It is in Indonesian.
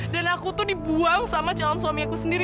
dan aku tuh dibuang sama calon suami aku sendiri